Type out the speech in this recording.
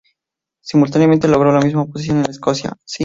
Simultáneamente, logró la misma posición en Escocia.